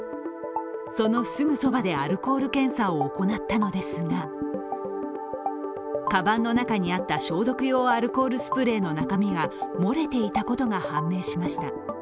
そのすぐそばでアルコール検査を行ったのですがかばんの中にあった消毒用アルコールスプレーの中身が漏れていたことが判明しました。